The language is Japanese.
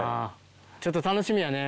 ちょっと楽しみやね。